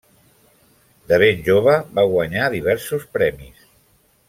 De ben jove, va guanyar diversos premis.